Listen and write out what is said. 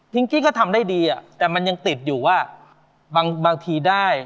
กี้ก็ทำได้ดีแต่มันยังติดอยู่ว่าบางทีได้